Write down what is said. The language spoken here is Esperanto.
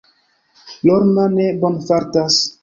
Lorna ne bonfartas.